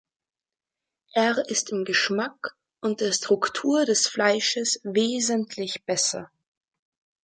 Er ist im Geschmack und der Struktur des Fleisches wesentlich besser.